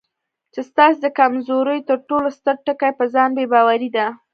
چې ستاسې د کمزورۍ تر ټولو ستر ټکی پر ځان بې باوري ده.